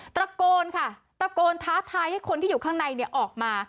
ตระโกนภายครั้งท้าทายให้คนที่อยู่ข้างในออกมา